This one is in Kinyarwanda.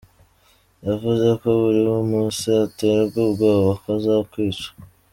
Yavuze ko buri musi aterwa ubwoba ko azokwica.